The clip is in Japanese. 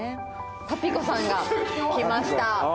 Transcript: パピコさんが来ました。